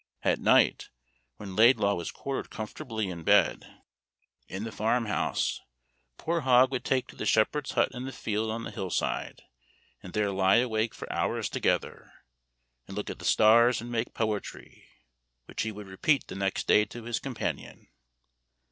At night when Laidlaw was quartered comfortably in bed, in the farmhouse, poor Hogg would take to the shepherd's hut in the field on the hillside, and there lie awake for hours together, and look at the stars and make poetry, which he would repeat the next day to his companion.